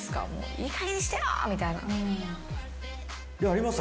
いいかげんにしてよ！みたいな。